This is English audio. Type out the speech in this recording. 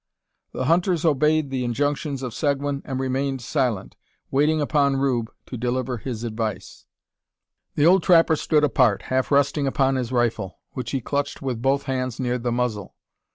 The hunters obeyed the injunctions of Seguin, and remained silent, waiting upon Rube to deliver his advice. The old trapper stood apart, half resting upon his rifle, which he clutched with both hands near the muzzle.